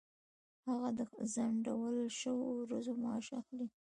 هغه د ځنډول شوو ورځو معاش اخلي.